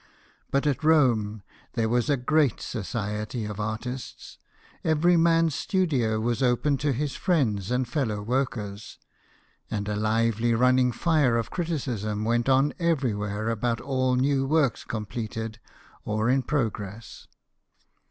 But at Rome, there was a great society of artists ; every man's studio was open to his friends and fellow workers ; and a lively running fire of criticism went on everywhere about all new works completed or in progress.